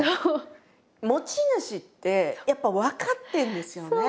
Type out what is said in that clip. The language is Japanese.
持ち主ってやっぱ分かってるんですよね。